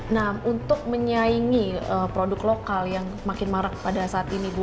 nah untuk menyaingi produk lokal yang makin marak pada saat ini bu